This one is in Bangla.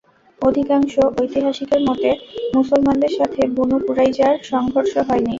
অধিকাংশ ঐতিহাসিকের মতে, মুসলমানদের সাথে বনু কুরাইযার সংঘর্ষ হয়নি।